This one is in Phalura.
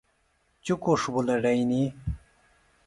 چُکُݜ بُلڈئنی۔